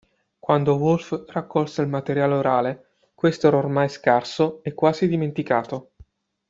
Quando Wolff raccolse il materiale orale questo era ormai scarso e quasi dimenticato.